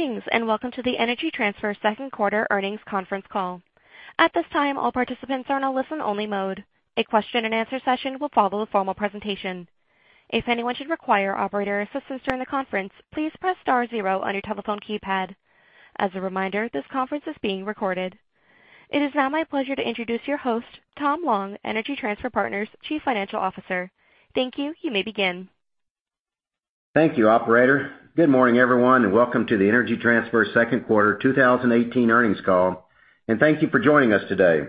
Greetings, welcome to the Energy Transfer second quarter earnings conference call. At this time, all participants are in a listen-only mode. A question and answer session will follow the formal presentation. If anyone should require operator assistance during the conference, please press star zero on your telephone keypad. As a reminder, this conference is being recorded. It is now my pleasure to introduce your host, Tom Long, Energy Transfer Partners Chief Financial Officer. Thank you. You may begin. Thank you, operator. Good morning, everyone, welcome to the Energy Transfer second quarter 2018 earnings call. Thank you for joining us today.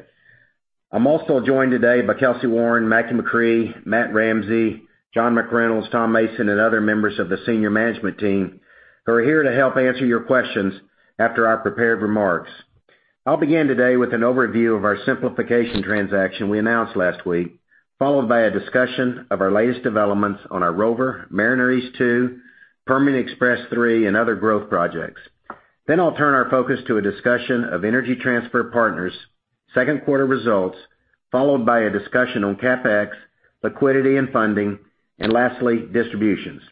I'm also joined today by Kelcy Warren, Mackie McCrea, Matt Ramsey, John McReynolds, Tom Mason, and other members of the senior management team who are here to help answer your questions after our prepared remarks. I'll begin today with an overview of our simplification transaction we announced last week, followed by a discussion of our latest developments on our Rover, Mariner East 2, Permian Express 3, and other growth projects. I'll turn our focus to a discussion of Energy Transfer Partners' second quarter results, followed by a discussion on CapEx, liquidity and funding, and lastly, distributions.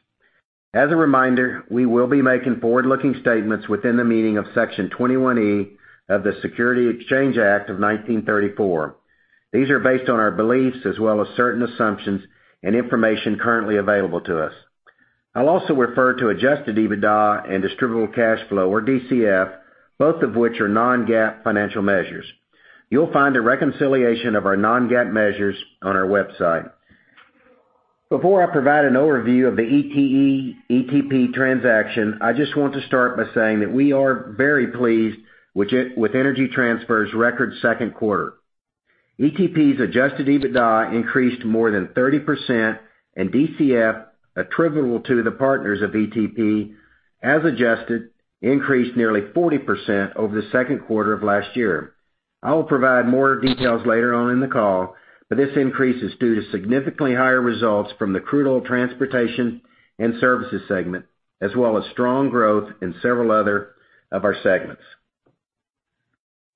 As a reminder, we will be making forward-looking statements within the meaning of Section 21E of the Securities Exchange Act of 1934. These are based on our beliefs as well as certain assumptions and information currently available to us. I'll also refer to adjusted EBITDA and distributable cash flow, or DCF, both of which are non-GAAP financial measures. You'll find a reconciliation of our non-GAAP measures on our website. Before I provide an overview of the ETE, ETP transaction, I just want to start by saying that we are very pleased with Energy Transfer's record second quarter. ETP's adjusted EBITDA increased more than 30%, and DCF attributable to the partners of ETP, as adjusted, increased nearly 40% over the second quarter of last year. I will provide more details later on in the call, but this increase is due to significantly higher results from the crude oil transportation and services segment, as well as strong growth in several other of our segments.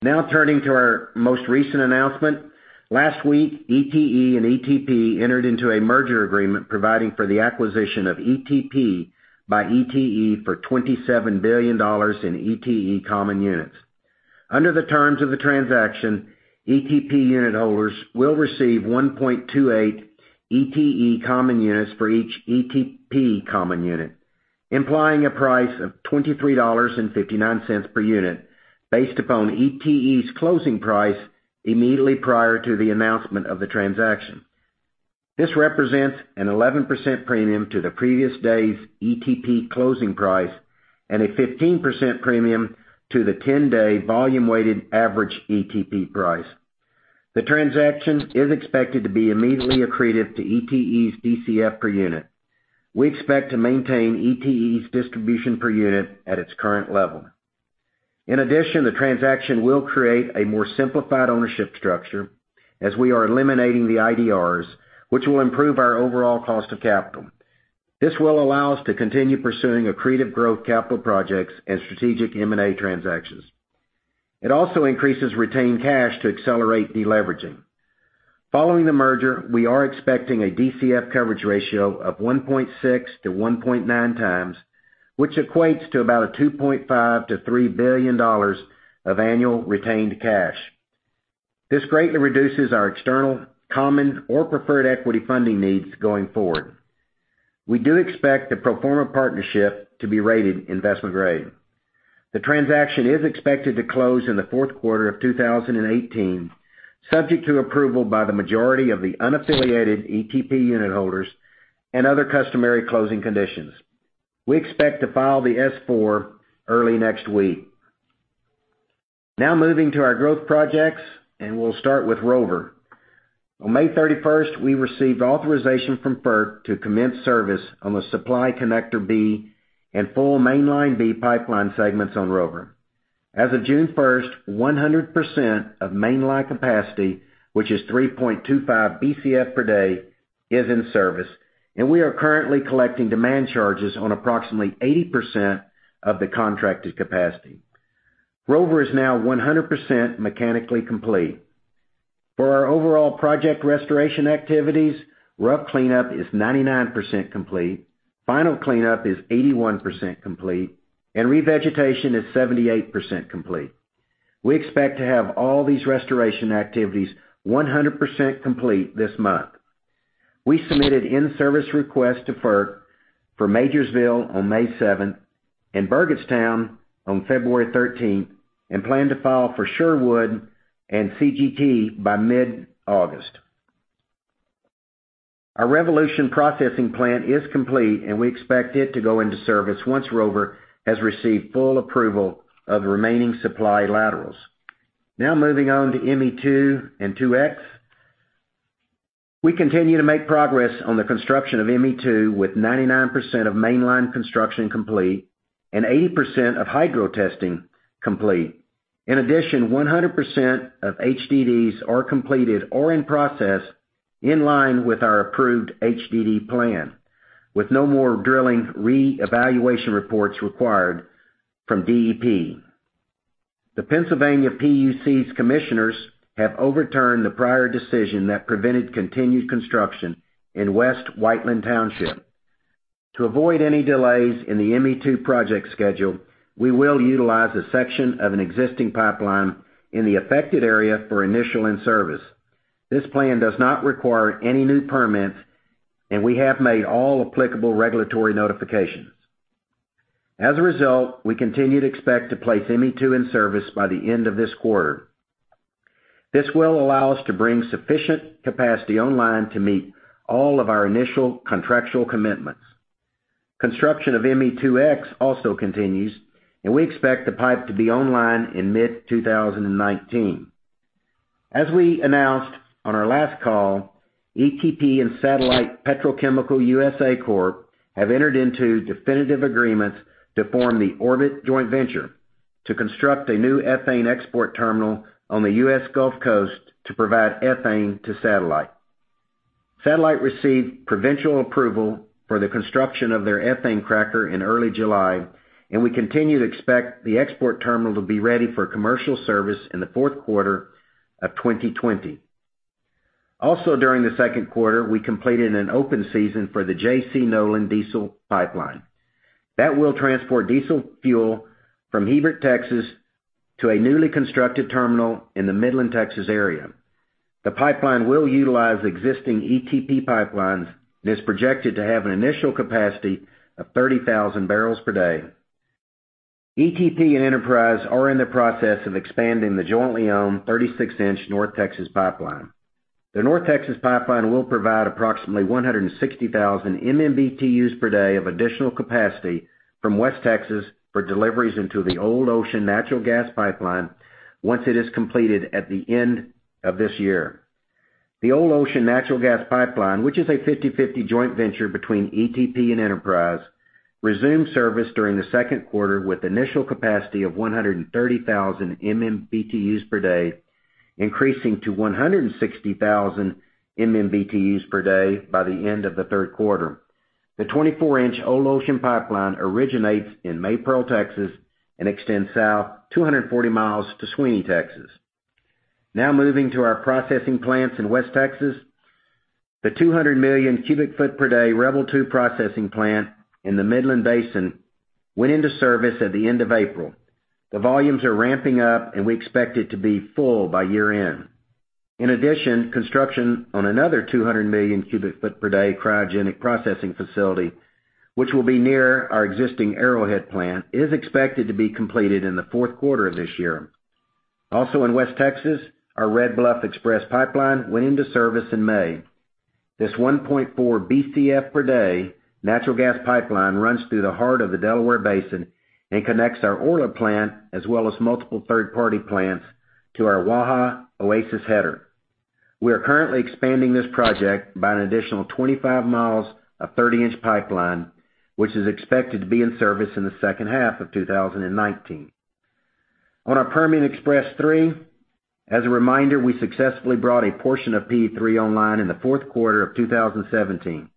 Turning to our most recent announcement. Last week, ETE and ETP entered into a merger agreement providing for the acquisition of ETP by ETE for $27 billion in ETE common units. Under the terms of the transaction, ETP unit holders will receive 1.28 ETE common units for each ETP common unit, implying a price of $23.59 per unit based upon ETE's closing price immediately prior to the announcement of the transaction. This represents an 11% premium to the previous day's ETP closing price and a 15% premium to the 10-day volume-weighted average ETP price. The transaction is expected to be immediately accretive to ETE's DCF per unit. We expect to maintain ETE's distribution per unit at its current level. In addition, the transaction will create a more simplified ownership structure as we are eliminating the IDRs, which will improve our overall cost of capital. This will allow us to continue pursuing accretive growth capital projects and strategic M&A transactions. It also increases retained cash to accelerate deleveraging. Following the merger, we are expecting a DCF coverage ratio of 1.6-1.9 times, which equates to about $2.5 billion-$3 billion of annual retained cash. This greatly reduces our external common or preferred equity funding needs going forward. We do expect the pro forma partnership to be rated investment grade. The transaction is expected to close in the fourth quarter of 2018, subject to approval by the majority of the unaffiliated ETP unit holders and other customary closing conditions. We expect to file the S-4 early next week. Moving to our growth projects, we'll start with Rover. On May 31st, we received authorization from FERC to commence service on the Supply Connector B and full Mainline B pipeline segments on Rover. As of June 1st, 100% of mainline capacity, which is 3.25 BCF per day, is in service, we are currently collecting demand charges on approximately 80% of the contracted capacity. Rover is now 100% mechanically complete. For our overall project restoration activities, rough cleanup is 99% complete, final cleanup is 81% complete, and revegetation is 78% complete. We expect to have all these restoration activities 100% complete this month. We submitted in-service request to FERC for Majorsville on May 7th and Burgettstown on February 13th and plan to file for Sherwood and CGT by mid-August. Our Revolution processing plant is complete, we expect it to go into service once Rover has received full approval of the remaining supply laterals. Moving on to ME2 and 2X. We continue to make progress on the construction of ME2 with 99% of mainline construction complete and 80% of hydro testing complete. In addition, 100% of HDDs are completed or in process in line with our approved HDD plan, with no more drilling reevaluation reports required from DEP. The Pennsylvania PUC's commissioners have overturned the prior decision that prevented continued construction in West Whiteland Township. To avoid any delays in the ME2 project schedule, we will utilize a section of an existing pipeline in the affected area for initial in-service. This plan does not require any new permits, and we have made all applicable regulatory notifications. As a result, we continue to expect to place ME2 in service by the end of this quarter. This will allow us to bring sufficient capacity online to meet all of our initial contractual commitments. Construction of ME2X also continues, we expect the pipe to be online in mid-2019. As we announced on our last call, ETP and Satellite Petrochemical USA Corp have entered into definitive agreements to form the Orbit joint venture to construct a new ethane export terminal on the U.S. Gulf Coast to provide ethane to Satellite. Satellite received provincial approval for the construction of their ethane cracker in early July, we continue to expect the export terminal to be ready for commercial service in the fourth quarter of 2020. Also during the second quarter, we completed an open season for the J.C. Nolan diesel pipeline. That will transport diesel fuel from Hebert, Texas, to a newly constructed terminal in the Midland, Texas, area. The pipeline will utilize existing ETP pipelines and is projected to have an initial capacity of 30,000 barrels per day. ETP and Enterprise are in the process of expanding the jointly owned 36-inch North Texas Pipeline. The North Texas Pipeline will provide approximately 160,000 MMBtus per day of additional capacity from West Texas for deliveries into the Old Ocean natural gas pipeline once it is completed at the end of this year. The Old Ocean natural gas pipeline, which is a 50/50 joint venture between ETP and Enterprise, resumed service during the second quarter with initial capacity of 130,000 MMBtus per day, increasing to 160,000 MMBtus per day by the end of the third quarter. The 24-inch Old Ocean Pipeline originates in Maypearl, Texas, and extends south 240 miles to Sweeny, Texas. Now moving to our processing plants in West Texas. The 200-million-cubic-foot-per-day Rebel II processing plant in the Midland Basin went into service at the end of April. The volumes are ramping up, and we expect it to be full by year-end. In addition, construction on another 200-million-cubic-foot-per-day cryogenic processing facility, which will be near our existing Arrowhead plant, is expected to be completed in the fourth quarter of this year. Also in West Texas, our Red Bluff Express Pipeline went into service in May. This 1.4 Bcf per day natural gas pipeline runs through the heart of the Delaware Basin and connects our Orla plant, as well as multiple third-party plants, to our Waha Oasis header. We are currently expanding this project by an additional 25 miles of 30-inch pipeline, which is expected to be in service in the second half of 2019. On our Permian Express 3, as a reminder, we successfully brought a portion of PE3 online in the fourth quarter of 2017.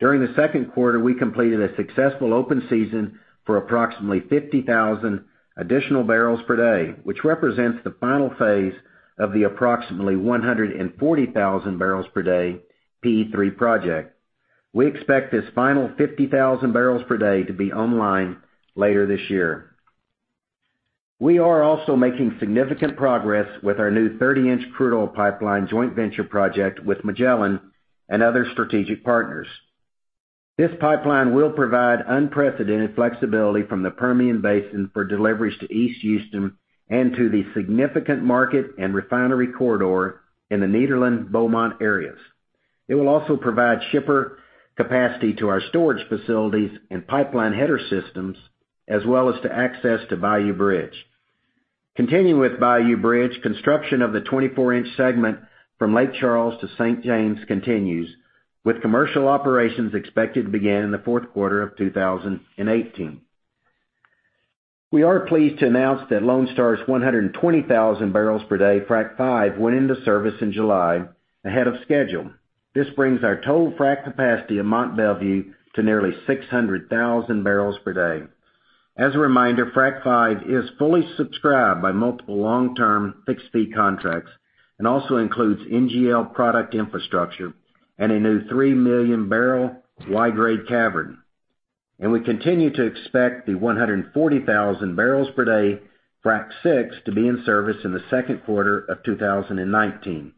During the second quarter, we completed a successful open season for approximately 50,000 additional barrels per day, which represents the final phase of the approximately 140,000 barrels per day PE3 project. We expect this final 50,000 barrels per day to be online later this year. We are also making significant progress with our new 30-inch crude oil pipeline joint venture project with Magellan and other strategic partners. This pipeline will provide unprecedented flexibility from the Permian Basin for deliveries to East Houston and to the significant market and refinery corridor in the Nederland-Beaumont areas. It will also provide shipper capacity to our storage facilities and pipeline header systems, as well as to access to Bayou Bridge. Continuing with Bayou Bridge, construction of the 24-inch segment from Lake Charles to St. James continues, with commercial operations expected to begin in the fourth quarter of 2018. We are pleased to announce that Lone Star's 120,000 barrels per day Fractionator V went into service in July ahead of schedule. This brings our total frac capacity in Mont Belvieu to nearly 600,000 barrels per day. As a reminder, Fractionator V is fully subscribed by multiple long-term fixed-fee contracts and also includes NGL product infrastructure and a new three-million-barrel Y-grade cavern. We continue to expect the 140,000 barrels per day Fractionator VI to be in service in the second quarter of 2019.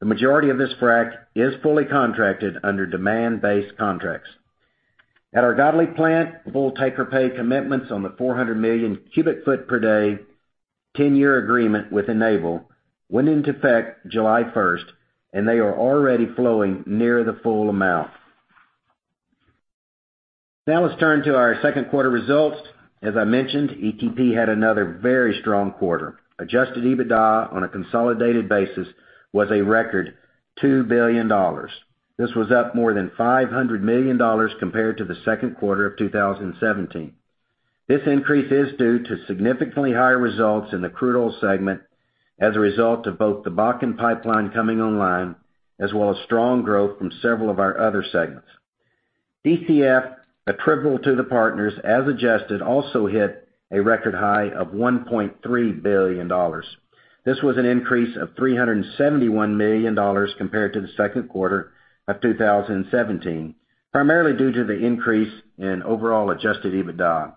The majority of this frac is fully contracted under demand-based contracts. At our Godley plant, full take-or-pay commitments on the 400-million cubic foot per day 10-year agreement with Enable went into effect July 1st, and they are already flowing near the full amount. Now let's turn to our second quarter results. As I mentioned, ETP had another very strong quarter. Adjusted EBITDA on a consolidated basis was a record $2 billion. This was up more than $500 million compared to the second quarter of 2017. This increase is due to significantly higher results in the crude oil segment as a result of both the Bakken Pipeline coming online as well as strong growth from several of our other segments. DCF attributable to the partners as adjusted also hit a record high of $1.3 billion. This was an increase of $371 million compared to the second quarter of 2017, primarily due to the increase in overall adjusted EBITDA.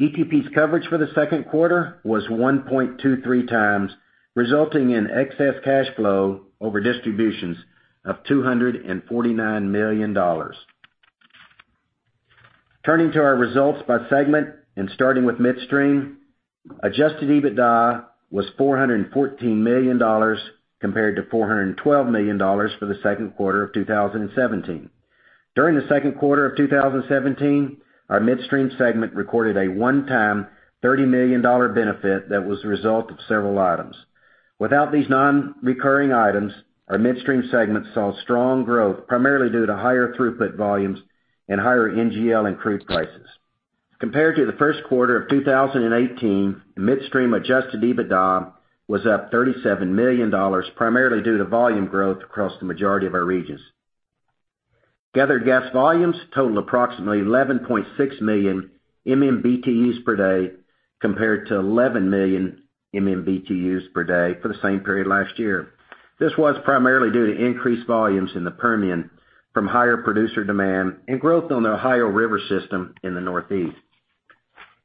ETP's coverage for the second quarter was 1.23 times, resulting in excess cash flow over distributions of $249 million. Turning to our results by segment and starting with midstream, adjusted EBITDA was $414 million compared to $412 million for the second quarter of 2017. During the second quarter of 2017, our midstream segment recorded a one-time $30 million benefit that was the result of several items. Without these non-recurring items, our midstream segment saw strong growth, primarily due to higher throughput volumes and higher NGL and crude prices. Compared to the first quarter of 2018, midstream adjusted EBITDA was up $37 million, primarily due to volume growth across the majority of our regions. Gathered gas volumes totaled approximately 11.6 million MMBtus per day, compared to 11 million MMBtus per day for the same period last year. This was primarily due to increased volumes in the Permian from higher producer demand and growth on the Ohio River system in the Northeast.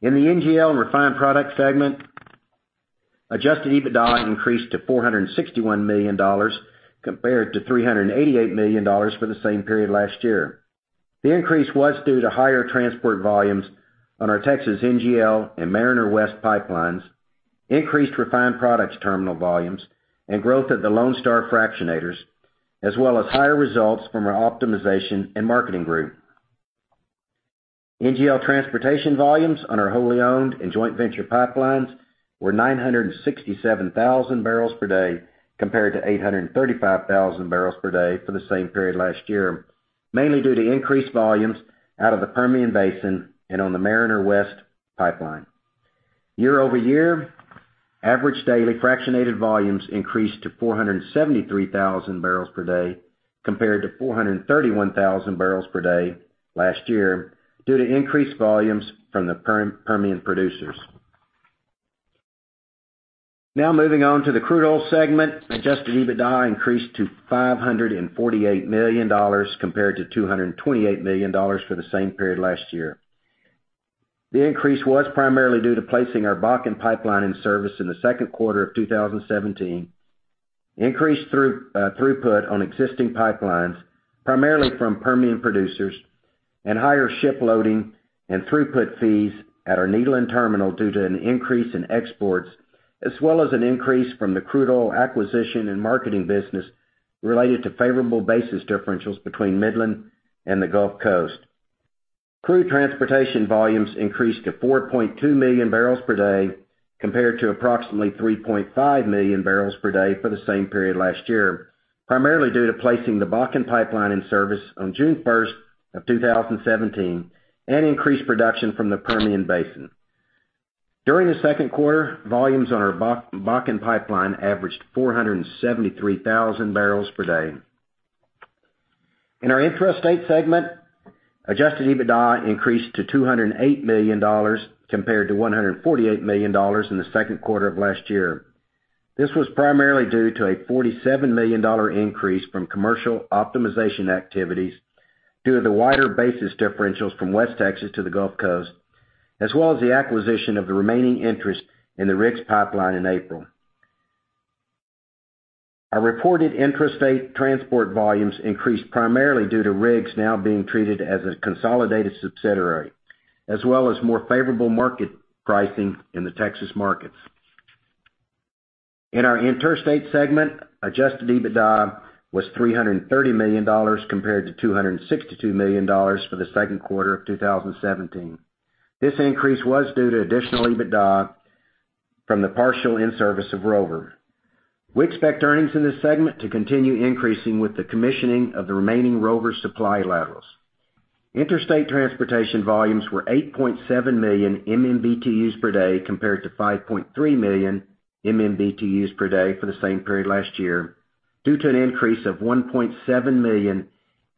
In the NGL and refined products segment, adjusted EBITDA increased to $461 million compared to $388 million for the same period last year. The increase was due to higher transport volumes on our Texas NGL and Mariner West pipelines, increased refined products terminal volumes, and growth at the Lone Star Fractionators, as well as higher results from our optimization and marketing group. NGL transportation volumes on our wholly owned and joint venture pipelines were 967,000 barrels per day compared to 835,000 barrels per day for the same period last year, mainly due to increased volumes out of the Permian Basin and on the Mariner West pipeline. Year-over-year, average daily fractionated volumes increased to 473,000 barrels per day compared to 431,000 barrels per day last year due to increased volumes from the Permian producers. Moving on to the crude oil segment, adjusted EBITDA increased to $548 million compared to $228 million for the same period last year. The increase was primarily due to placing our Bakken Pipeline in service in the second quarter of 2017, increased throughput on existing pipelines, primarily from Permian producers, and higher ship loading and throughput fees at our Nederland Terminal due to an increase in exports, as well as an increase from the crude oil acquisition and marketing business related to favorable basis differentials between Midland and the Gulf Coast. Crude transportation volumes increased to 4.2 million barrels per day compared to approximately 3.5 million barrels per day for the same period last year, primarily due to placing the Bakken Pipeline in service on June 1st of 2017 and increased production from the Permian Basin. During the second quarter, volumes on our Bakken Pipeline averaged 473,000 barrels per day. In our intrastate segment, adjusted EBITDA increased to $208 million compared to $148 million in the second quarter of last year. This was primarily due to a $47 million increase from commercial optimization activities due to the wider basis differentials from West Texas to the Gulf Coast, as well as the acquisition of the remaining interest in the RIGS pipeline in April. Our reported intrastate transport volumes increased primarily due to RIGS now being treated as a consolidated subsidiary, as well as more favorable market pricing in the Texas markets. In our interstate segment, adjusted EBITDA was $330 million compared to $262 million for the second quarter of 2017. This increase was due to additional EBITDA from the partial in-service of Rover. We expect earnings in this segment to continue increasing with the commissioning of the remaining Rover supply laterals. Interstate transportation volumes were 8.7 million MMBtus per day compared to 5.3 million MMBtus per day for the same period last year, due to an increase of 1.7 million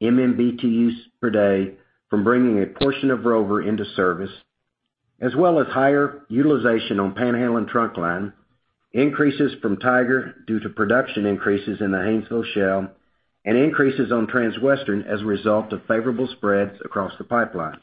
MMBtus per day from bringing a portion of Rover into service, as well as higher utilization on Panhandle and Trunkline, increases from Tiger due to production increases in the Haynesville Shale, and increases on Transwestern as a result of favorable spreads across the pipeline.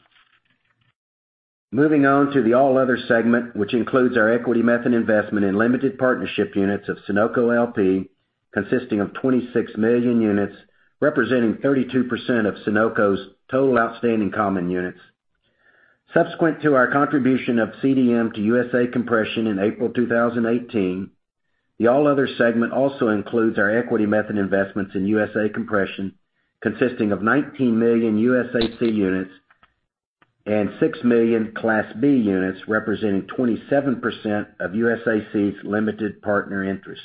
Moving on to the all other segment, which includes our equity method investment in limited partnership units of Sunoco LP, consisting of 26 million units, representing 32% of Sunoco's total outstanding common units. Subsequent to our contribution of CDM to USA Compression in April 2018, the all other segment also includes our equity method investments in USA Compression, consisting of 19 million USAC units and 6 million Class B units, representing 27% of USAC's limited partner interest.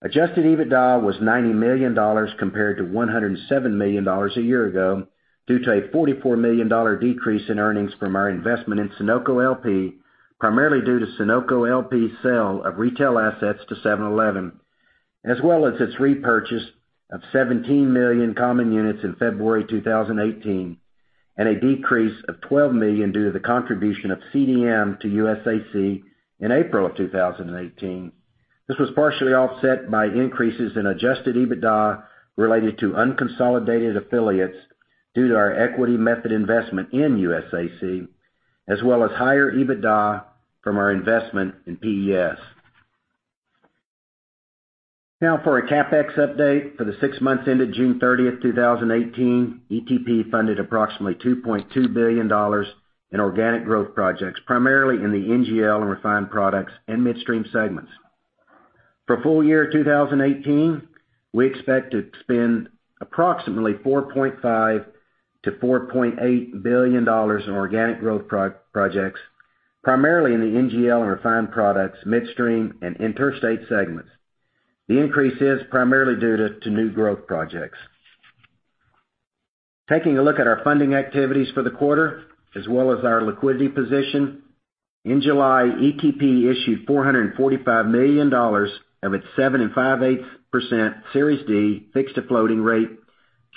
Adjusted EBITDA was $90 million compared to $107 million a year ago, due to a $44 million decrease in earnings from our investment in Sunoco LP, primarily due to Sunoco LP's sale of retail assets to 7-Eleven, as well as its repurchase of 17 million common units in February 2018, and a decrease of $12 million due to the contribution of CDM to USAC in April of 2018. This was partially offset by increases in adjusted EBITDA related to unconsolidated affiliates due to our equity method investment in USAC, as well as higher EBITDA from our investment in PES. Now for a CapEx update. For the six months ended June 30, 2018, ETP funded approximately $2.2 billion in organic growth projects, primarily in the NGL and refined products and midstream segments. For full year 2018, we expect to spend approximately $4.5 billion-$4.8 billion in organic growth projects, primarily in the NGL and refined products, midstream, and interstate segments. The increase is primarily due to new growth projects. Taking a look at our funding activities for the quarter as well as our liquidity position. In July, ETP issued $445 million of its 7.625% Series D fixed to floating rate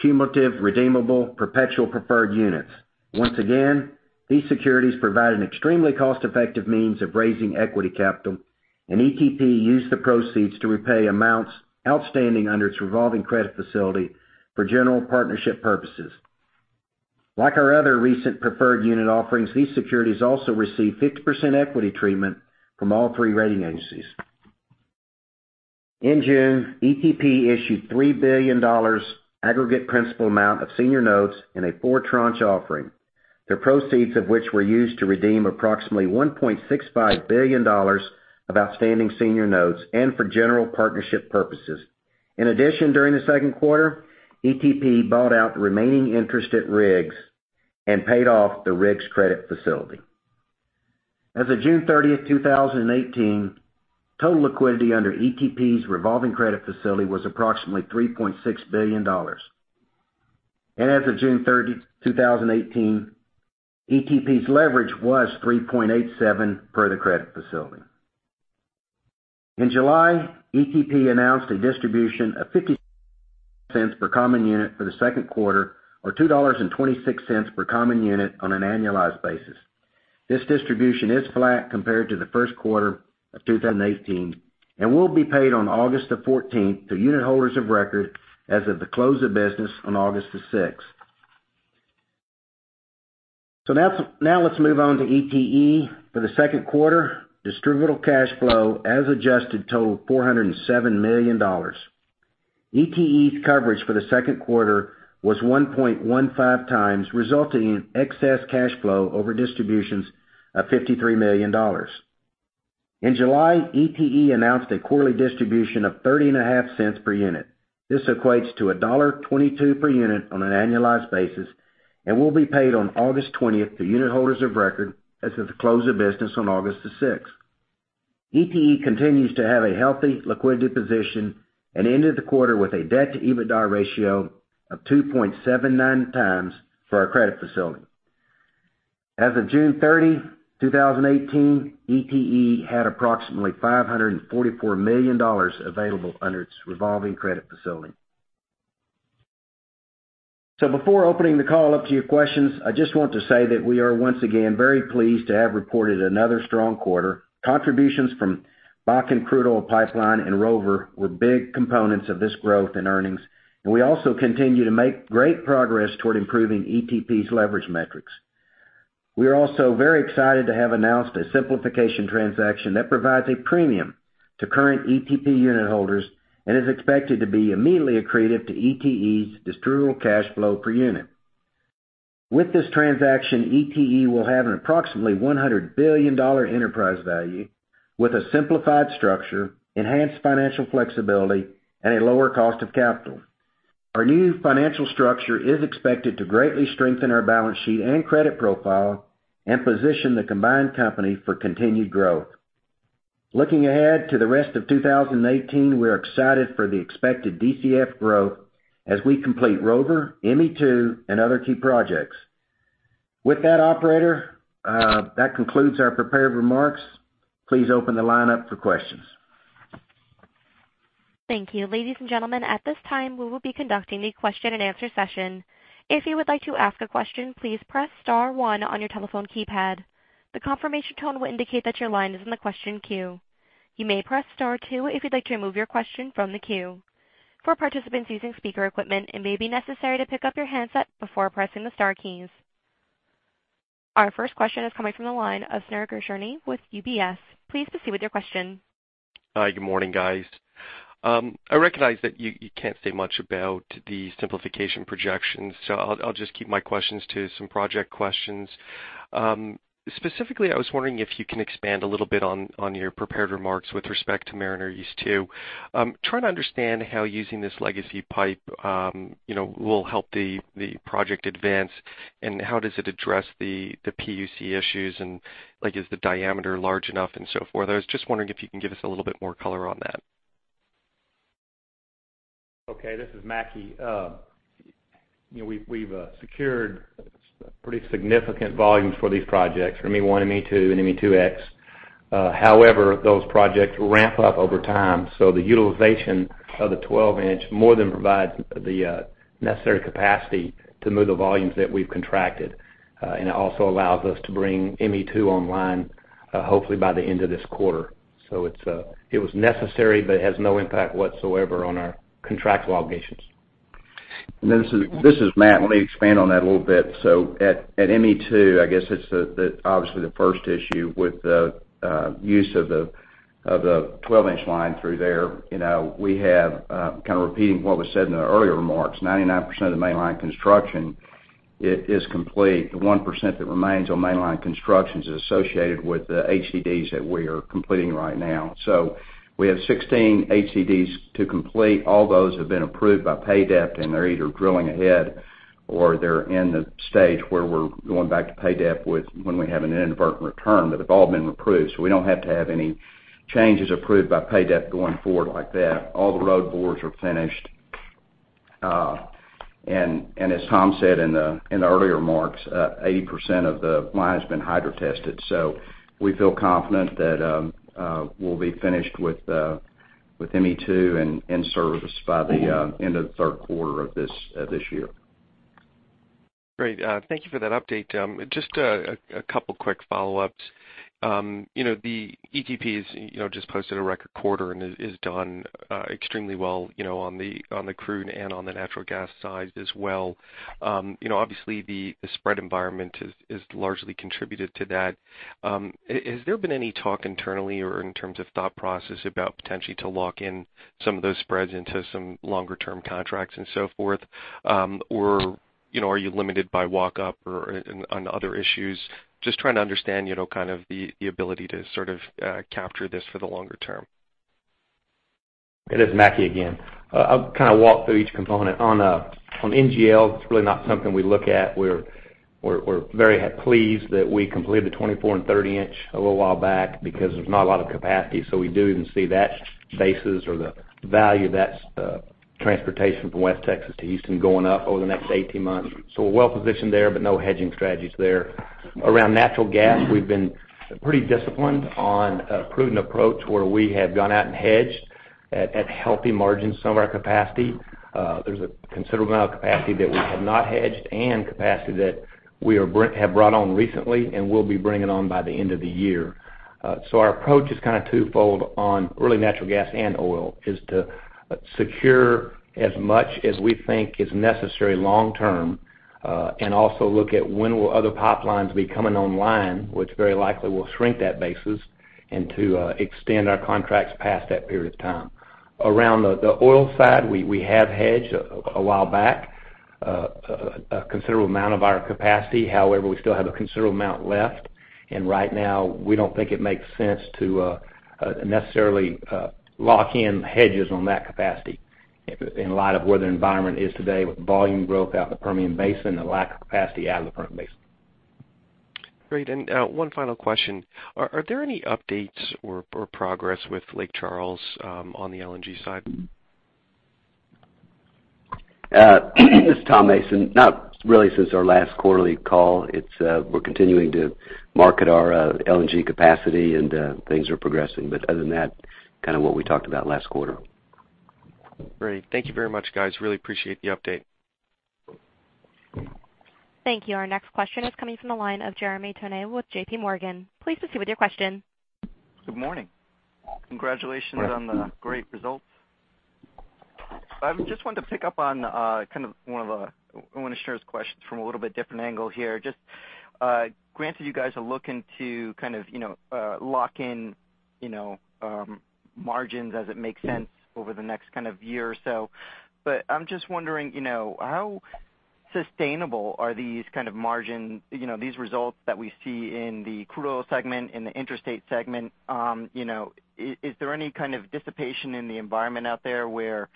cumulative redeemable perpetual preferred units. Once again, these securities provide an extremely cost-effective means of raising equity capital, and ETP used the proceeds to repay amounts outstanding under its revolving credit facility for general partnership purposes. Like our other recent preferred unit offerings, these securities also received 50% equity treatment from all three rating agencies. In June, ETP issued $3 billion aggregate principal amount of senior notes in a four-tranche offering. The proceeds of which were used to redeem approximately $1.65 billion of outstanding senior notes and for general partnership purposes. In addition, during the second quarter, ETP bought out the remaining interest at RIGS and paid off the RIGS credit facility. As of June 30, 2018, total liquidity under ETP's revolving credit facility was approximately $3.6 billion. As of June 30, 2018, ETP's leverage was 3.87 for the credit facility. In July, ETP announced a distribution of $0.52 per common unit for the second quarter, or $2.26 per common unit on an annualized basis. This distribution is flat compared to the first quarter of 2018 and will be paid on August the 14th to unitholders of record as of the close of business on August the 6th. Now let's move on to ETE. For the second quarter, distributable cash flow, as adjusted, totaled $407 million. ETE's coverage for the second quarter was 1.15 times, resulting in excess cash flow over distributions of $53 million. In July, ETE announced a quarterly distribution of $0.305 per unit. This equates to a $1.22 per unit on an annualized basis and will be paid on August 20th to unitholders of record as of the close of business on August the 6th. ETE continues to have a healthy liquidity position and ended the quarter with a debt to EBITDA ratio of 2.79 times for our credit facility. As of June 30, 2018, ETE had approximately $544 million available under its revolving credit facility. Before opening the call up to your questions, I just want to say that we are once again very pleased to have reported another strong quarter. Contributions from Bakken Crude Oil Pipeline and Rover were big components of this growth in earnings, and we also continue to make great progress toward improving ETP's leverage metrics. We are also very excited to have announced a simplification transaction that provides a premium to current ETP unitholders and is expected to be immediately accretive to ETE's distributable cash flow per unit. With this transaction, ETE will have an approximately $100 billion enterprise value with a simplified structure, enhanced financial flexibility, and a lower cost of capital. Our new financial structure is expected to greatly strengthen our balance sheet and credit profile and position the combined company for continued growth. Looking ahead to the rest of 2018, we are excited for the expected DCF growth as we complete Rover, ME2, and other key projects. With that operator, that concludes our prepared remarks. Please open the line up for questions. Thank you. Ladies and gentlemen, at this time, we will be conducting the question-and-answer session. If you would like to ask a question, please press *1 on your telephone keypad. The confirmation tone will indicate that your line is in the question queue. You may press *2 if you'd like to remove your question from the queue. For participants using speaker equipment, it may be necessary to pick up your handset before pressing the star keys. Our first question is coming from the line of Spiro Dounis with UBS. Please proceed with your question. Hi, good morning, guys. I recognize that you can't say much about the simplification projections. I'll just keep my questions to some project questions. Specifically, I was wondering if you can expand a little bit on your prepared remarks with respect to Mariner East 2. I'm trying to understand how using this legacy pipe will help the project advance, how does it address the PUC issues, and is the diameter large enough and so forth. I was just wondering if you can give us a little bit more color on that. Okay, this is Mackie. We've secured pretty significant volumes for these projects, for ME1, ME2, and ME2X. However, those projects ramp up over time. The utilization of the 12-inch more than provides the necessary capacity to move the volumes that we've contracted. It also allows us to bring ME2 online, hopefully by the end of this quarter. It was necessary, but it has no impact whatsoever on our contractual obligations. This is Matt. Let me expand on that a little bit. At ME2, I guess it's obviously the first issue with the use of the 12-inch line through there. We have, kind of repeating what was said in the earlier remarks, 99% of the mainline construction is complete. The 1% that remains on mainline constructions is associated with the HDDs that we are completing right now. We have 16 HDDs to complete. All those have been approved by PA DEP. They're either drilling ahead or they're in the stage where we're going back to PA DEP when we have an inadvertent return. They've all been approved. We don't have to have any changes approved by PA DEP going forward like that. All the road bores are finished. As Tom said in the earlier remarks, 80% of the line has been hydro-tested. We feel confident that we'll be finished with ME2 and in service by the end of the third quarter of this year. Great. Thank you for that update. Just a couple of quick follow-ups. ETP has just posted a record quarter and has done extremely well on the crude and on the natural gas side as well. Obviously, the spread environment has largely contributed to that. Has there been any talk internally or in terms of thought process about potentially to lock in some of those spreads into some longer term contracts and so forth? Or are you limited by walk up or on other issues? Just trying to understand kind of the ability to sort of capture this for the longer term. It is Mackie McCrea again. I'll kind of walk through each component. On NGL, it's really not something we look at. We're very pleased that we completed the 24 and 30-inch a little while back because there's not a lot of capacity. We do even see that basis or the value of that transportation from West Texas to Houston going up over the next 18 months. We're well positioned there, but no hedging strategies there. Around natural gas, we've been pretty disciplined on a prudent approach where we have gone out and hedged at healthy margins some of our capacity. There's a considerable amount of capacity that we have not hedged and capacity that we have brought on recently and will be bringing on by the end of the year. Our approach is kind of twofold on really natural gas and oil, is to secure as much as we think is necessary long term, and also look at when will other pipelines be coming online, which very likely will shrink that basis, and to extend our contracts past that period of time. Around the oil side, we have hedged a while back a considerable amount of our capacity. However, we still have a considerable amount left, and right now we don't think it makes sense to necessarily lock in hedges on that capacity in light of where the environment is today with volume growth out in the Permian Basin and the lack of capacity out of the Permian Basin. Great. One final question. Are there any updates or progress with Lake Charles on the LNG side? This is Tom Mason. Not really since our last quarterly call. We're continuing to market our LNG capacity, and things are progressing, but other than that, kind of what we talked about last quarter. Great. Thank you very much, guys. Really appreciate the update. Thank you. Our next question is coming from the line of Jeremy Tonet with J.P. Morgan. Please proceed with your question. Good morning. Congratulations on the great results. I just wanted to pick up on this question from a little bit different angle here. Just granted, you guys are looking to kind of lock in margins as it makes sense over the next kind of year or so. I'm just wondering, how sustainable are these results that we see in the crude oil segment, in the interstate segment? Is there any kind of dissipation in the environment out there where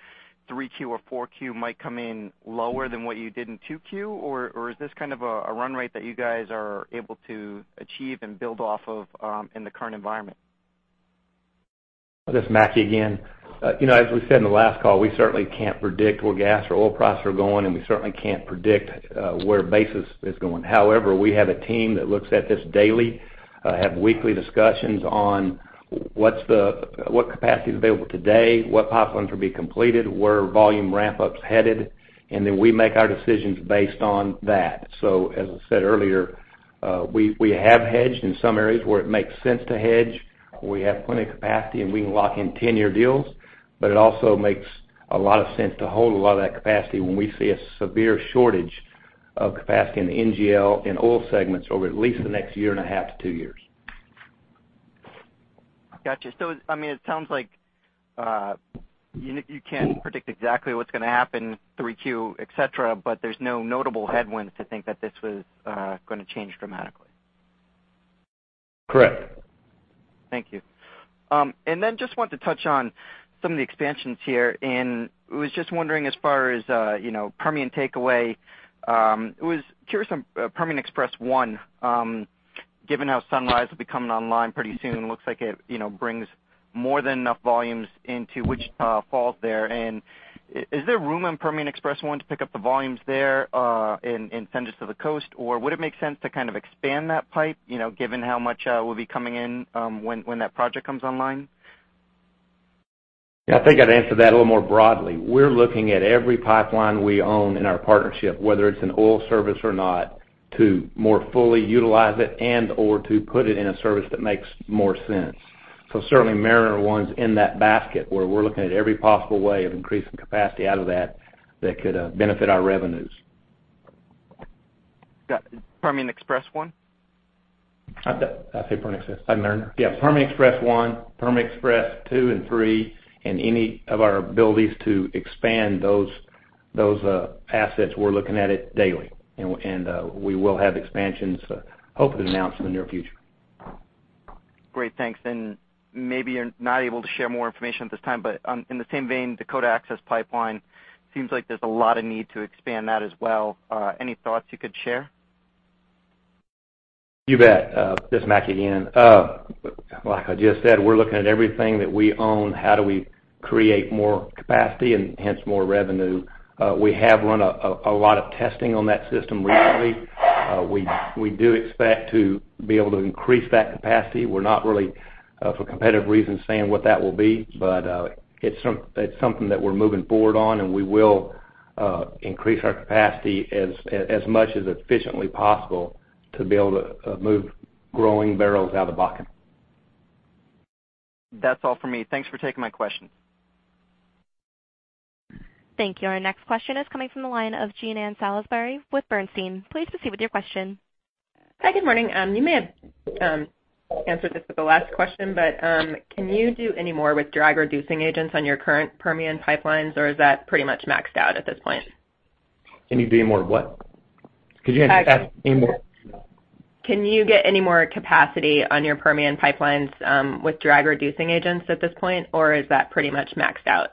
3Q or 4Q might come in lower than what you did in 2Q, or is this kind of a run rate that you guys are able to achieve and build off of in the current environment? This is Mackie again. As we said in the last call, we certainly can't predict where gas or oil prices are going, and we certainly can't predict where basis is going. However, we have a team that looks at this daily, have weekly discussions on what capacity is available today, what pipelines will be completed, where volume ramp-up's headed, then we make our decisions based on that. As I said earlier, we have hedged in some areas where it makes sense to hedge, where we have plenty of capacity and we can lock in 10-year deals. It also makes a lot of sense to hold a lot of that capacity when we see a severe shortage of capacity in the NGL and oil segments over at least the next year and a half to two years. Got you. It sounds like you can't predict exactly what's going to happen 3Q, et cetera, there's no notable headwinds to think that this was going to change dramatically. Correct. Thank you. Then just want to touch on some of the expansions here. Was just wondering as far as Permian takeaway, was curious on Permian Express 1, given how Sunrise will be coming online pretty soon, looks like it brings more than enough volumes into Wichita Falls there. Is there room in Permian Express 1 to pick up the volumes there and send it to the coast? Would it make sense to kind of expand that pipe, given how much will be coming in when that project comes online? Yeah, I think I'd answer that a little more broadly. We're looking at every pipeline we own in our partnership, whether it's an oil service or not, to more fully utilize it and/or to put it in a service that makes more sense. Certainly Mariner 1's in that basket where we're looking at every possible way of increasing capacity out of that could benefit our revenues. Got Permian Express 1? I'd say Permian Express. Yeah. Permian Express 1, Permian Express two and three, any of our abilities to expand those assets, we're looking at it daily, and we will have expansions hopefully to announce in the near future. Great, thanks. Maybe you're not able to share more information at this time, but in the same vein, Dakota Access Pipeline seems like there's a lot of need to expand that as well. Any thoughts you could share? You bet. This is Mackie again. Like I just said, we're looking at everything that we own, how do we create more capacity and hence more revenue? We have run a lot of testing on that system recently. We do expect to be able to increase that capacity. We're not really, for competitive reasons, saying what that will be. It's something that we're moving forward on and we will increase our capacity as much as efficiently possible to be able to move growing barrels out of Bakken. That's all for me. Thanks for taking my question. Thank you. Our next question is coming from the line of Jean Ann Salisbury with Bernstein. Please proceed with your question. Hi. Good morning. You may have answered this with the last question, can you do any more with drag-reducing agents on your current Permian pipelines or is that pretty much maxed out at this point? Can you do more what? Could you add any more? Can you get any more capacity on your Permian pipelines with drag-reducing agents at this point or is that pretty much maxed out?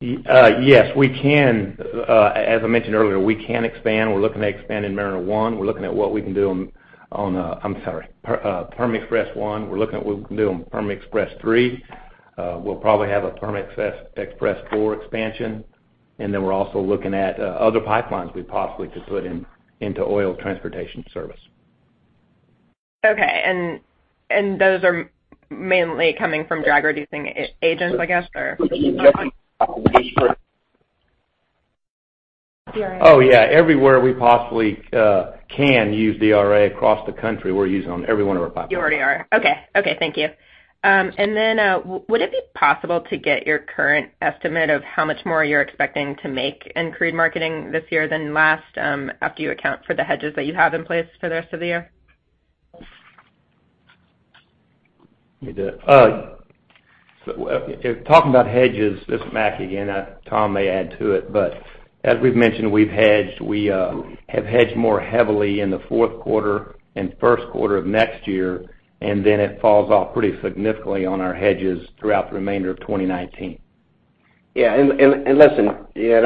Yes, we can. As I mentioned earlier, we can expand. We're looking to expand in Mariner East 1. We're looking at what we can do on I'm sorry. Permian Express 1. We're looking at what we can do on Permian Express 3. We'll probably have a Permian Express 4 expansion. We're also looking at other pipelines we possibly could put into oil transportation service. Okay, those are mainly coming from drag-reducing agents, I guess, or? Oh, yeah, everywhere we possibly can use DRA across the country, we're using on every one of our pipelines. You already are. Okay. Thank you. Would it be possible to get your current estimate of how much more you're expecting to make in crude marketing this year than last, after you account for the hedges that you have in place for the rest of the year? Me do it. Talking about hedges, this is Mackie again. Tom may add to it, as we've mentioned, we have hedged more heavily in the fourth quarter and first quarter of next year, it falls off pretty significantly on our hedges throughout the remainder of 2019. Yeah. Listen,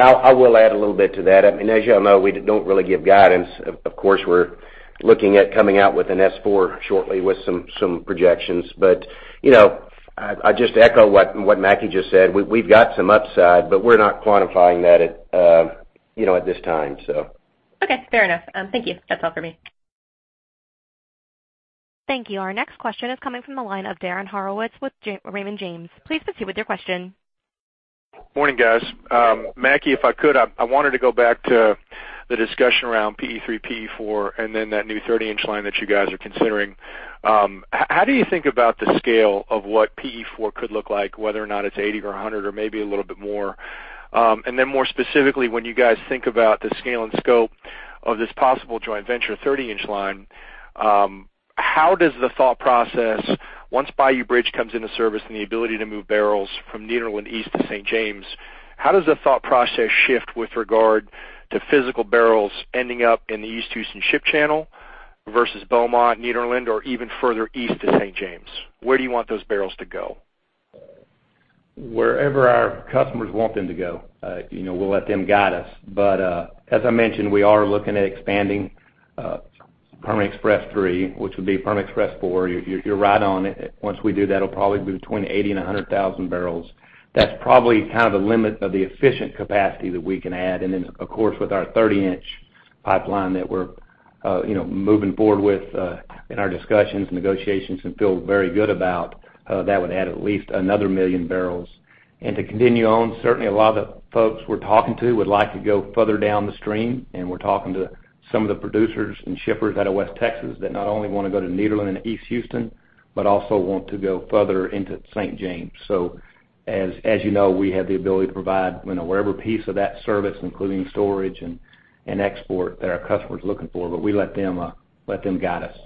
I will add a little bit to that. As you all know, we don't really give guidance. Of course, we're looking at coming out with an S4 shortly with some projections. I just echo what Mackie just said. We've got some upside, we're not quantifying that at this time. Okay, fair enough. Thank you. That's all for me. Thank you. Our next question is coming from the line of Darren Horowitz with Raymond James. Please proceed with your question. Morning, guys. Mackie, if I could, I wanted to go back to the discussion around PE3, PE4, and then that new 30-inch line that you guys are considering. How do you think about the scale of what PE4 could look like, whether or not it's 80 or 100 or maybe a little bit more? Then more specifically, when you guys think about the scale and scope of this possible joint venture 30-inch line, how does the thought process once Bayou Bridge comes into service and the ability to move barrels from Nederland East to St. James, how does the thought process shift with regard to physical barrels ending up in the East Houston Ship Channel versus Beaumont, Nederland, or even further east to St. James? Where do you want those barrels to go? Wherever our customers want them to go. We'll let them guide us. As I mentioned, we are looking at expanding Permian Express 3, which would be Permian Express 4. You're right on. Once we do that, it'll probably be between 80,000 and 100,000 barrels. That's probably kind of the limit of the efficient capacity that we can add. Then, of course, with our 30-inch pipeline that we're moving forward with in our discussions, negotiations and feel very good about, that would add at least another million barrels. To continue on, certainly a lot of the folks we're talking to would like to go further down the stream, and we're talking to some of the producers and shippers out of West Texas that not only want to go to Nederland and East Houston, but also want to go further into St. James. As you know, we have the ability to provide whatever piece of that service, including storage and export, that our customers are looking for, but we let them guide us.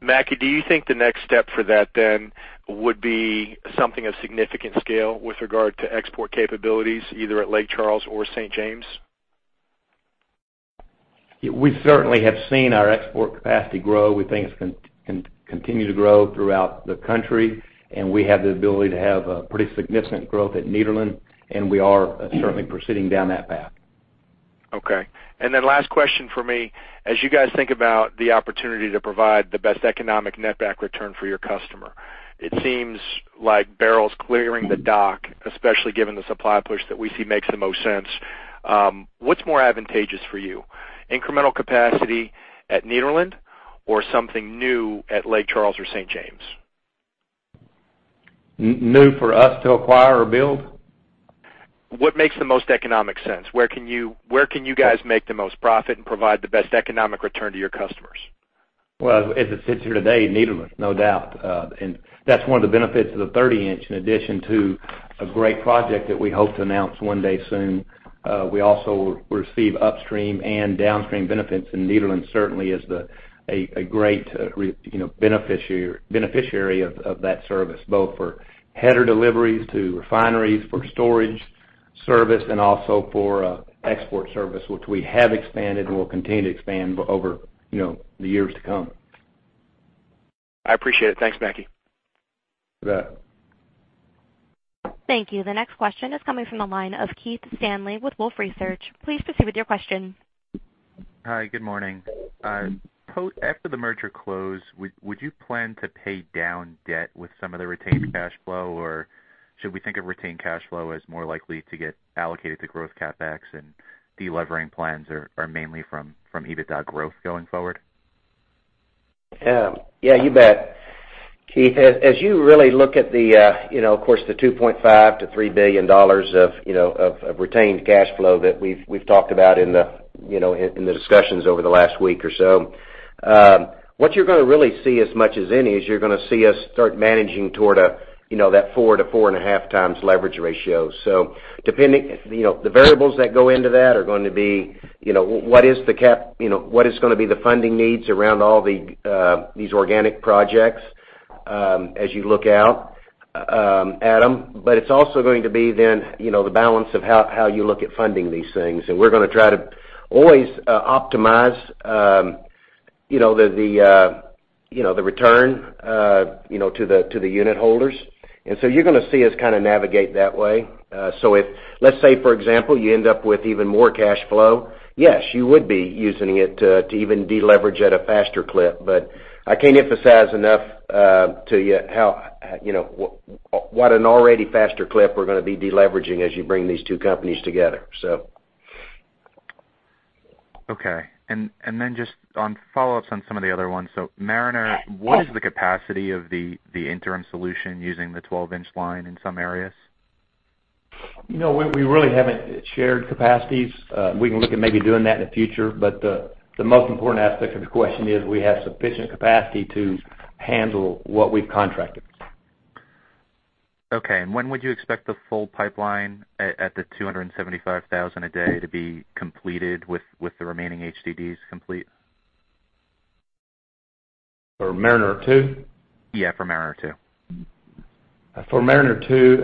Mackie, do you think the next step for that then would be something of significant scale with regard to export capabilities either at Lake Charles or St. James? We certainly have seen our export capacity grow. We think it's going to continue to grow throughout the country, and we have the ability to have a pretty significant growth at Nederland, and we are certainly proceeding down that path. Okay. Last question from me. As you guys think about the opportunity to provide the best economic net back return for your customer, it seems like barrels clearing the dock, especially given the supply push that we see makes the most sense. What's more advantageous for you, incremental capacity at Nederland or something new at Lake Charles or St. James? New for us to acquire or build? What makes the most economic sense? Where can you guys make the most profit and provide the best economic return to your customers? Well, as it sits here today, Nederland, no doubt. That's one of the benefits of the 30-inch, in addition to a great project that we hope to announce one day soon. We also receive upstream and downstream benefits, Nederland certainly is a great beneficiary of that service, both for header deliveries to refineries for storage service, also for export service, which we have expanded and will continue to expand over the years to come. I appreciate it. Thanks, Mackie. You bet. Thank you. The next question is coming from the line of Keith Stanley with Wolfe Research. Please proceed with your question. Hi, good morning. After the merger close, would you plan to pay down debt with some of the retained cash flow, or should we think of retained cash flow as more likely to get allocated to growth CapEx and de-levering plans are mainly from EBITDA growth going forward? Yeah, you bet. Keith, as you really look at the, of course, the $2.5 billion-$3 billion of retained cash flow that we've talked about in the discussions over the last week or so. What you're going to really see as much as any is you're going to see us start managing toward that four to four and a half times leverage ratio. The variables that go into that are going to be what is going to be the funding needs around all these organic projects as you look out, Adam. It's also going to be then the balance of how you look at funding these things. We're going to try to always optimize the return to the unit holders. You're going to see us kind of navigate that way. If, let's say, for example, you end up with even more cash flow, yes, you would be using it to even de-leverage at a faster clip. I can't emphasize enough to you what an already faster clip we're going to be de-leveraging as you bring these two companies together. Okay. Just on follow-ups on some of the other ones. Mariner, what is the capacity of the interim solution using the 12-inch line in some areas? We really haven't shared capacities. We can look at maybe doing that in the future. The most important aspect of the question is we have sufficient capacity to handle what we've contracted. Okay, when would you expect the full pipeline at the 275,000 a day to be completed with the remaining HDDs complete? For Mariner 2? Yeah, for Mariner 2. For Mariner 2,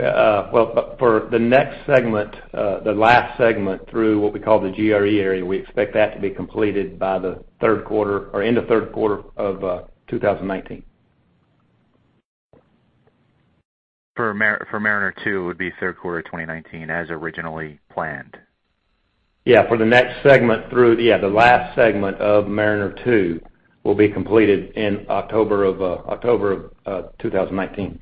well, for the next segment, the last segment through what we call the GRE area, we expect that to be completed by the third quarter or end of third quarter of 2019. For Mariner 2, it would be third quarter 2019 as originally planned. Yeah. For the next segment, the last segment of Mariner 2 will be completed in October of 2019.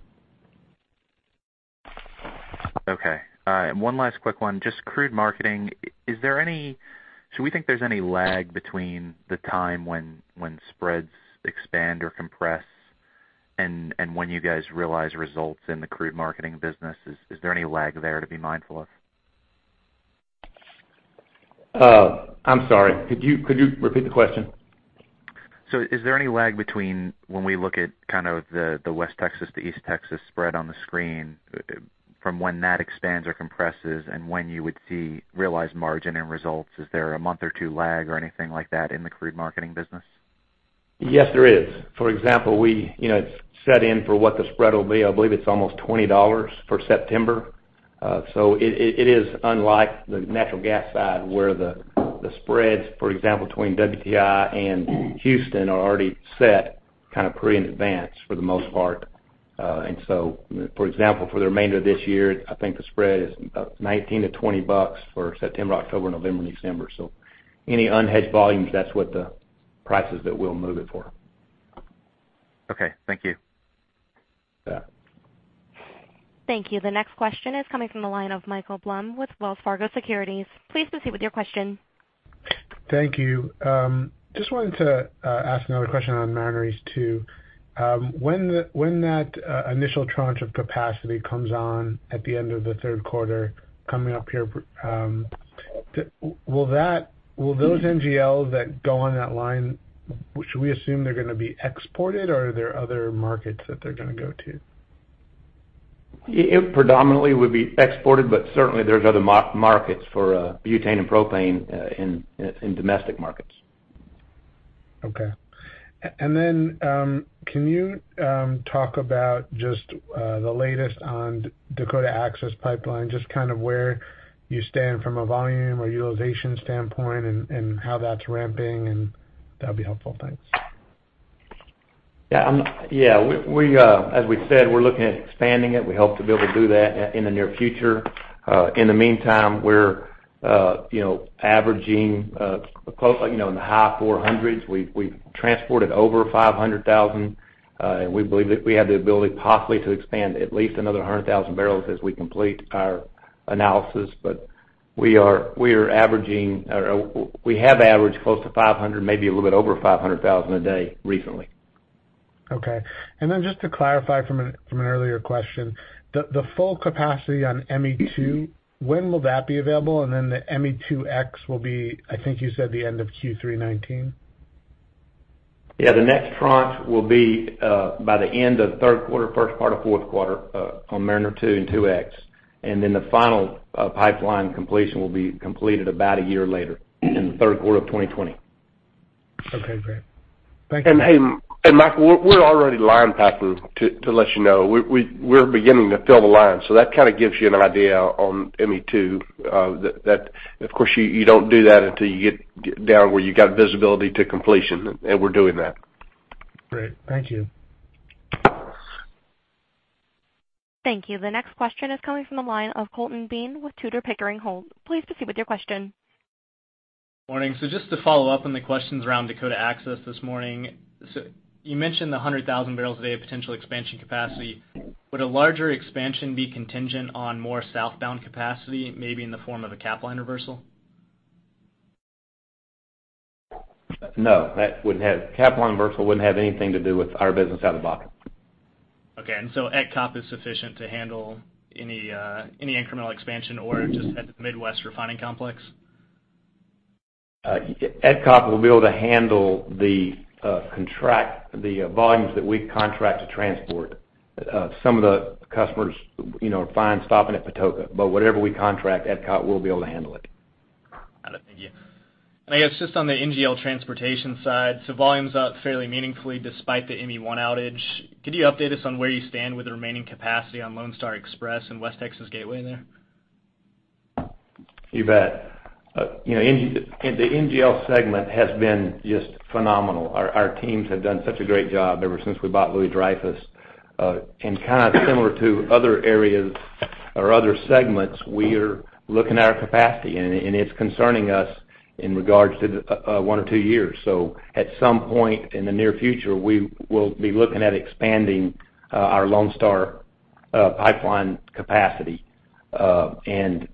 Okay. All right. One last quick one. Just crude marketing. Should we think there's any lag between the time when spreads expand or compress and when you guys realize results in the crude marketing business? Is there any lag there to be mindful of? I'm sorry, could you repeat the question? Is there any lag between when we look at kind of the West Texas to East Texas spread on the screen from when that expands or compresses and when you would see realized margin and results? Is there a month or two lag or anything like that in the crude marketing business? Yes, there is. For example, it's set in for what the spread will be. I believe it's almost $20 for September. It is unlike the natural gas side where the spreads, for example, between WTI and Houston are already set kind of pre in advance for the most part. For example, for the remainder of this year, I think the spread is $19 to $20 for September, October, November, and December. Any unhedged volumes, that's what the prices that we'll move it for. Okay. Thank you. Yeah. Thank you. The next question is coming from the line of Michael Blum with Wells Fargo Securities. Please proceed with your question. Thank you. Just wanted to ask another question on Mariner East 2. When that initial tranche of capacity comes on at the end of the third quarter coming up here, will those NGLs that go on that line, should we assume they're going to be exported, or are there other markets that they're going to go to? It predominantly would be exported, certainly there's other markets for butane and propane in domestic markets. Okay. Can you talk about just the latest on Dakota Access Pipeline, just kind of where you stand from a volume or utilization standpoint and how that's ramping, that'd be helpful. Thanks. Yeah. As we said, we're looking at expanding it. We hope to be able to do that in the near future. In the meantime, we're averaging close in the high 400s. We've transported over 500,000, and we believe that we have the ability possibly to expand at least another 100,000 barrels as we complete our analysis. We have averaged close to 500, maybe a little bit over 500,000 a day recently. Okay. Just to clarify from an earlier question, the full capacity on ME2, when will that be available? The ME2X will be, I think you said the end of Q3 2019. Yeah, the next front will be by the end of the third quarter, first part of fourth quarter on Mariner 2 and 2X. The final pipeline completion will be completed about a year later in the third quarter of 2020. Okay, great. Thank you. Hey, Michael, we're already line packing, to let you know. We're beginning to fill the line. That kind of gives you an idea on ME2. Of course, you don't do that until you get down where you got visibility to completion, and we're doing that. Great. Thank you. Thank you. The next question is coming from the line of Colton Bean with Tudor, Pickering Holt. Please proceed with your question. Morning. Just to follow up on the questions around Dakota Access this morning. You mentioned the 100,000 barrels a day of potential expansion capacity. Would a larger expansion be contingent on more southbound capacity, maybe in the form of a Capline reversal? No, Capline reversal wouldn't have anything to do with our business out of Bakken. Okay. ETCOP is sufficient to handle any incremental expansion or just at the Midwest Refining Complex? ETCOP will be able to handle the volumes that we contract to transport. Some of the customers are fine stopping at Patoka, but whatever we contract, ETCOP will be able to handle it. Got it. Thank you. I guess just on the NGL transportation side, so volumes up fairly meaningfully despite the ME1 outage. Could you update us on where you stand with the remaining capacity on Lone Star Express and West Texas Gateway there? You bet. The NGL segment has been just phenomenal. Our teams have done such a great job ever since we bought Louis Dreyfus. Kind of similar to other areas or other segments, we are looking at our capacity, and it's concerning us in regards to one or two years. At some point in the near future, we will be looking at expanding our Lone Star pipeline capacity. Both frac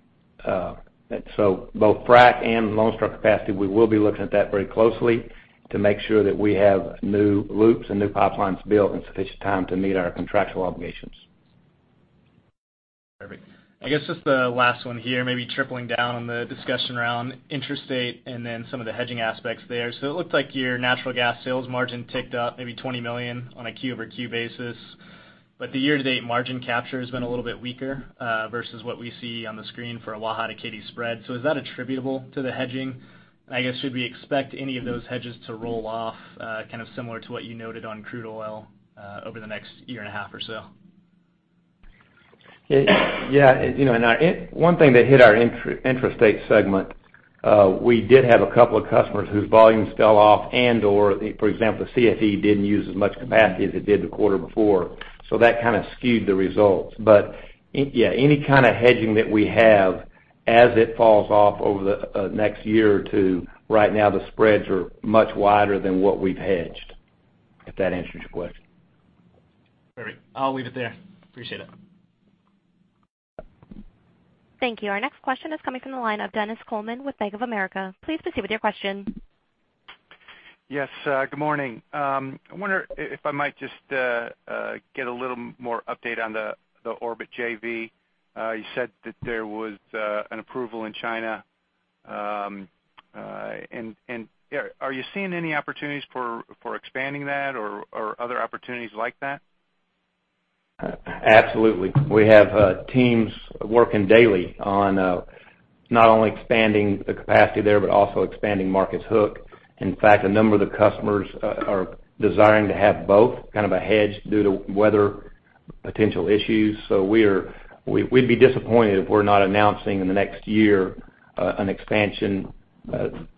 and Lone Star capacity, we will be looking at that very closely to make sure that we have new loops and new pipelines built in sufficient time to meet our contractual obligations. Perfect. I guess just the last one here, maybe tripling down on the discussion around interstate and then some of the hedging aspects there. It looks like your natural gas sales margin ticked up maybe $20 million on a Q-over-Q basis, but the year-to-date margin capture has been a little bit weaker, versus what we see on the screen for a Waha to Katy spread. Is that attributable to the hedging? I guess, should we expect any of those hedges to roll off, kind of similar to what you noted on crude oil, over the next year and a half or so? Yeah. One thing that hit our interstate segment, we did have a couple of customers whose volumes fell off and/or, for example, CFE didn't use as much capacity as it did the quarter before. That kind of skewed the results. Yeah, any kind of hedging that we have as it falls off over the next year or two, right now the spreads are much wider than what we've hedged, if that answers your question. Perfect. I'll leave it there. Appreciate it. Thank you. Our next question is coming from the line of Dennis Coleman with Bank of America. Please proceed with your question. Yes. Good morning. I wonder if I might just get a little more update on the Orbit JV. You said that there was an approval in China. Are you seeing any opportunities for expanding that or other opportunities like that? Absolutely. We have teams working daily on not only expanding the capacity there, but also expanding Marcus Hook. In fact, a number of the customers are desiring to have both, kind of a hedge due to weather potential issues. We'd be disappointed if we're not announcing in the next year an expansion in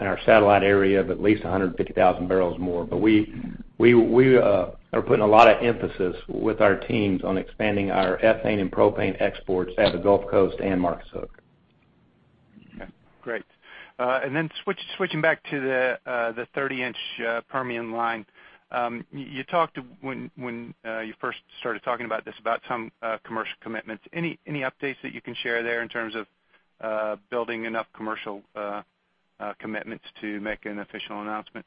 our Satellite area of at least 150,000 barrels more. We are putting a lot of emphasis with our teams on expanding our ethane and propane exports at the Gulf Coast and Marcus Hook. Okay, great. Switching back to the 30-inch Permian line. You talked, when you first started talking about this, about some commercial commitments. Any updates that you can share there in terms of building enough commercial commitments to make an official announcement?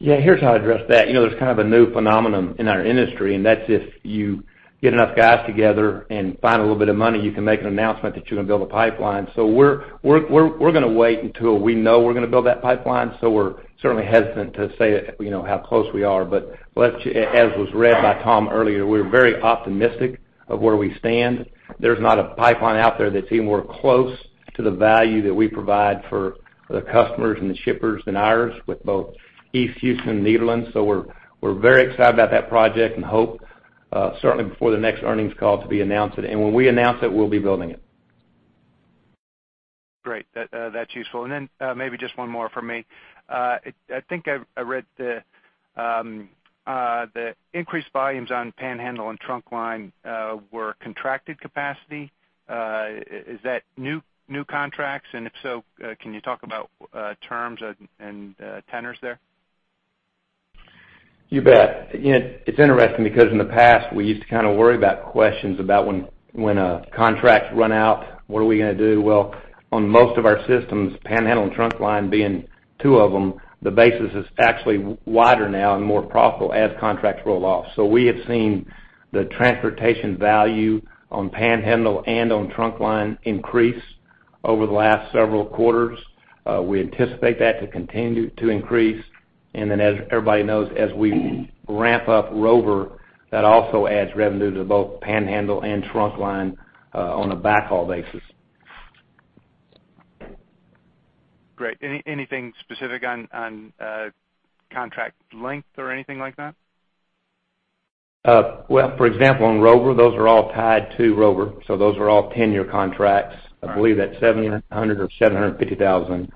Yeah, here's how I address that. There's kind of a new phenomenon in our industry, that's if you get enough guys together and find a little bit of money, you can make an announcement that you're going to build a pipeline. We're going to wait until we know we're going to build that pipeline. We're certainly hesitant to say how close we are. As was read by Tom earlier, we're very optimistic of where we stand. There's not a pipeline out there that's even more close to the value that we provide for the customers and the shippers than ours with both East Houston and Nederland. We're very excited about that project and hope, certainly before the next earnings call, to be announcing it. When we announce it, we'll be building it. That's useful. Maybe just one more from me. I think I read the increased volumes on Panhandle and Trunkline were contracted capacity. Is that new contracts? If so, can you talk about terms and tenors there? You bet. It's interesting because in the past, we used to worry about questions about when a contract run out, what are we going to do? Well, on most of our systems, Panhandle and Trunkline being two of them, the basis is actually wider now and more profitable as contracts roll off. We have seen the transportation value on Panhandle and on Trunkline increase over the last several quarters. We anticipate that to continue to increase, as everybody knows, as we ramp up Rover, that also adds revenue to both Panhandle and Trunkline on a backhaul basis. Great. Anything specific on contract length or anything like that? Well, for example, on Rover, those are all tied to Rover, those are all 10-year contracts. I believe that's 700,000 or 750,000.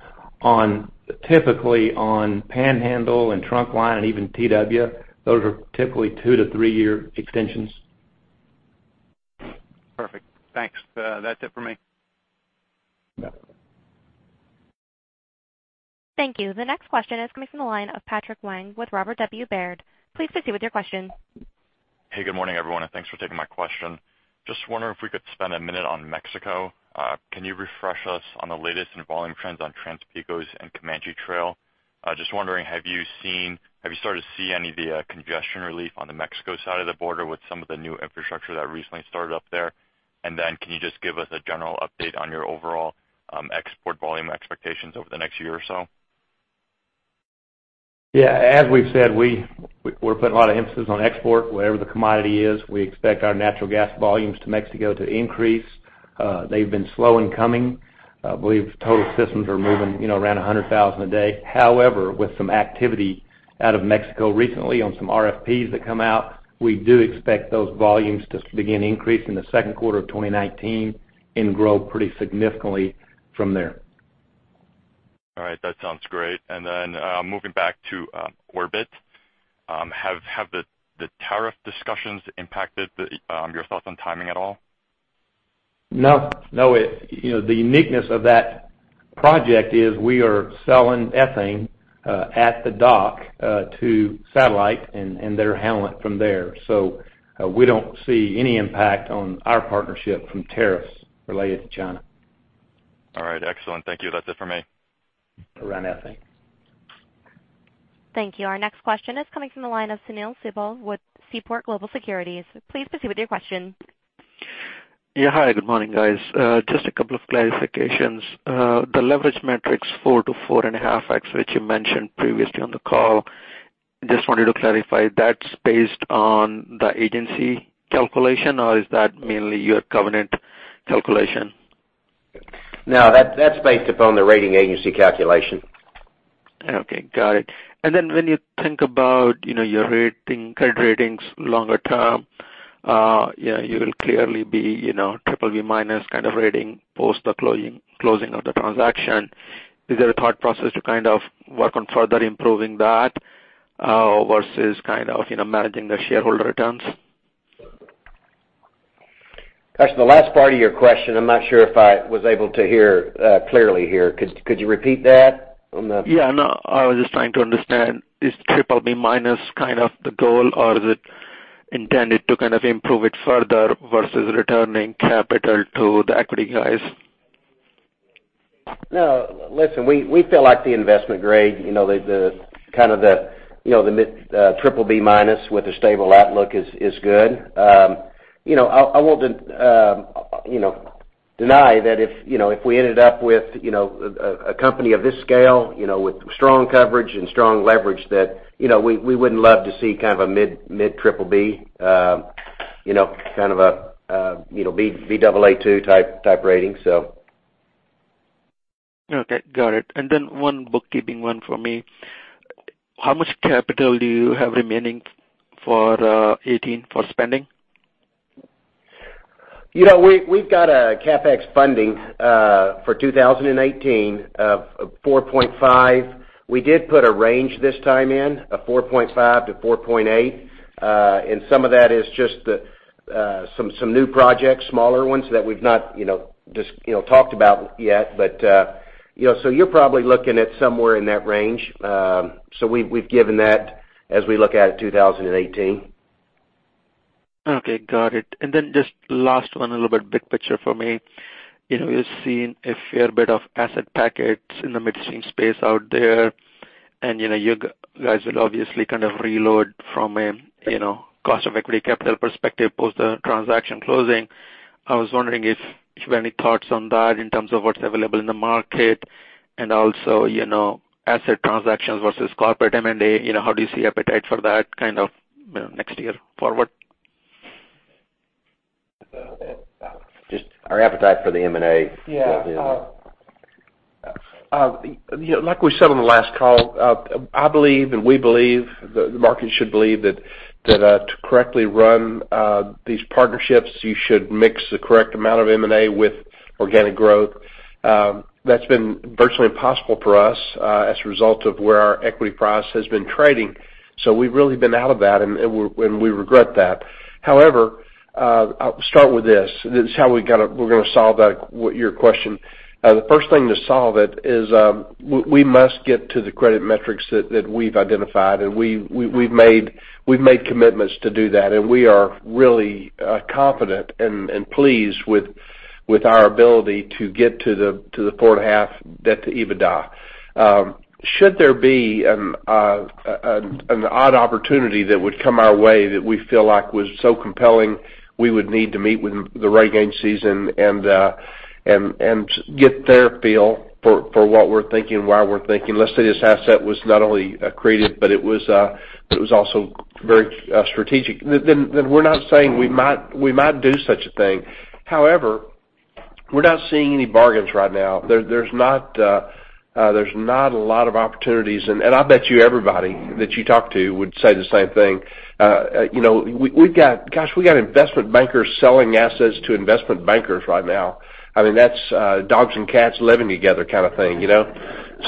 Typically on Panhandle and Trunkline and even TW, those are typically two to three-year extensions. Perfect. Thanks. That's it for me. You bet. Thank you. The next question is coming from the line of Patrick Wang with Robert W. Baird. Please proceed with your question. Hey, good morning, everyone, and thanks for taking my question. Just wondering if we could spend a minute on Mexico. Can you refresh us on the latest in volume trends on Trans-Pecos and Comanche Trail? Just wondering, have you started to see any of the congestion relief on the Mexico side of the border with some of the new infrastructure that recently started up there? Can you just give us a general update on your overall export volume expectations over the next year or so? Yeah. As we've said, we're putting a lot of emphasis on export, whatever the commodity is. We expect our natural gas volumes to Mexico to increase. They've been slow in coming. I believe total systems are moving around 100,000 a day. However, with some activity out of Mexico recently on some RFPs that come out, we do expect those volumes to begin increasing the second quarter of 2019 and grow pretty significantly from there. All right. That sounds great. Moving back to Orbit, have the tariff discussions impacted your thoughts on timing at all? No. The uniqueness of that project is we are selling ethane at the dock to Satellite and they're handling it from there. We don't see any impact on our partnership from tariffs related to China. All right. Excellent. Thank you. That's it for me. Around ethane. Thank you. Our next question is coming from the line of Sunil Sibal with Seaport Global Securities. Please proceed with your question. Yeah. Hi, good morning, guys. Just a couple of clarifications. The leverage metrics four to four and a half x, which you mentioned previously on the call, just wanted to clarify, that's based on the agency calculation, or is that mainly your covenant calculation? No, that's based upon the rating agency calculation. Okay. Got it. When you think about your credit ratings longer term, you will clearly be triple B minus kind of rating post the closing of the transaction. Is there a thought process to work on further improving that versus managing the shareholder returns? Gosh, the last part of your question, I'm not sure if I was able to hear clearly here. Could you repeat that? Yeah, no, I was just trying to understand, is triple B minus the goal, or is it intended to improve it further versus returning capital to the equity guys? No, listen, we feel like the investment grade, the triple B minus with a stable outlook is good. I won't deny that if we ended up with a company of this scale with strong coverage and strong leverage that we wouldn't love to see a mid triple B, kind of a Baa2 type rating. Okay. Got it. Then one bookkeeping one for me. How much capital do you have remaining for 2018 for spending? We've got a CapEx funding for 2018 of $4.5. We did put a range this time in, a $4.5-$4.8. Some of that is just some new projects, smaller ones that we've not talked about yet, you're probably looking at somewhere in that range. We've given that as we look at 2018. Okay. Got it. Just last one, a little bit big picture for me. You're seeing a fair bit of asset packages in the midstream space out there, and you guys will obviously reload from a cost of equity capital perspective post the transaction closing. I was wondering if you have any thoughts on that in terms of what's available in the market and also asset transactions versus corporate M&A, how do you see appetite for that next year forward? Just our appetite for the M&A? Yeah Like we said on the last call, I believe, and we believe, the market should believe that to correctly run these partnerships, you should mix the correct amount of M&A with organic growth. That's been virtually impossible for us as a result of where our equity price has been trading. We've really been out of that, and we regret that. However, I'll start with this. This is how we're going to solve your question. The first thing to solve it is we must get to the credit metrics that we've identified, and we've made commitments to do that, and we are really confident and pleased with our ability to get to the 4.5 debt to EBITDA. Should there be an odd opportunity that would come our way that we feel like was so compelling, we would need to meet with the right agencies and get their feel for what we're thinking, why we're thinking. Let's say this asset was not only accretive, but it was also very strategic. We're not saying we might do such a thing. However, we're not seeing any bargains right now. There's not a lot of opportunities. I bet you everybody that you talk to would say the same thing. Gosh, we got investment bankers selling assets to investment bankers right now. That's dogs and cats living together kind of thing. We're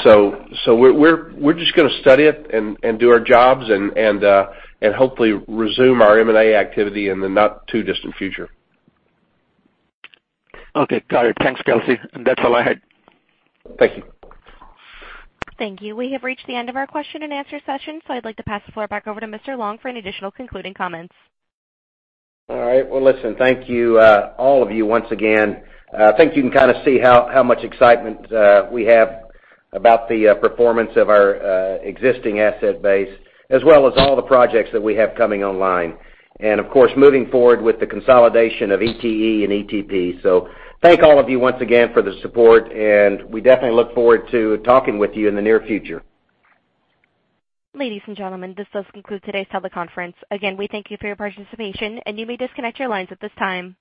just going to study it and do our jobs and hopefully resume our M&A activity in the not too distant future. Okay, got it. Thanks, Kelcy. That's all I had. Thank you. Thank you. We have reached the end of our question and answer session. I'd like to pass the floor back over to Mr. Long for any additional concluding comments. All right. Well, listen, thank you, all of you, once again. I think you can see how much excitement we have about the performance of our existing asset base, as well as all the projects that we have coming online. Of course, moving forward with the consolidation of ETE and ETP. Thank all of you once again for the support, and we definitely look forward to talking with you in the near future. Ladies and gentlemen, this does conclude today's teleconference. Again, we thank you for your participation, and you may disconnect your lines at this time.